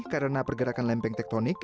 karena pergerakan lempeng tektonik